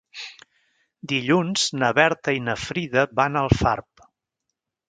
Dilluns na Berta i na Frida van a Alfarb.